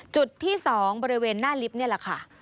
จุดที่๒บริเวณหน้าลิฟต์นี่แหละค่ะ